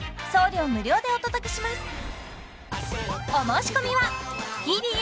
送料無料でお届けします